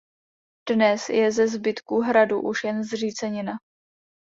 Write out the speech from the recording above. Dnes je ze zbytků hradu už jen zřícenina.